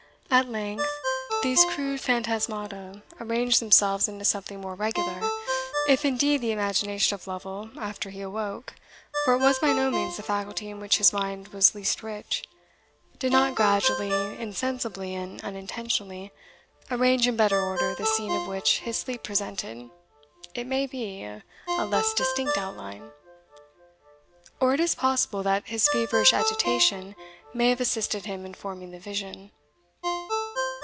At length these crude phantasmata arranged themselves into something more regular, if indeed the imagination of Lovel, after he awoke (for it was by no means the faculty in which his mind was least rich), did not gradually, insensibly, and unintentionally, arrange in better order the scene of which his sleep presented, it may be, a less distinct outline. Or it is possible that his feverish agitation may have assisted him in forming the vision.